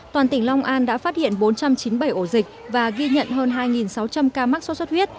toàn tỉnh long an đã phát hiện bốn trăm chín mươi bảy ổ dịch và ghi nhận hơn hai sáu trăm linh ca mắc sốt xuất huyết